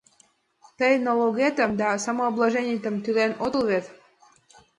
Тый налогетым да самообложениетым тӱлен отыл вет...